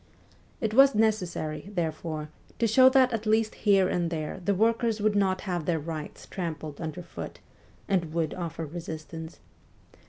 It was necessary, therefore, to show that at least here and there the workers would not have their rights trampled underfoot, and would offer resistance.